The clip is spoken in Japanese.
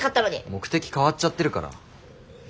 目的変わっちゃってるから。